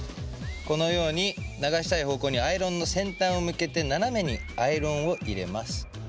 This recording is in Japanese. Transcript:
このように流したい方向にアイロンの先端を向けてナナメにアイロンを入れます。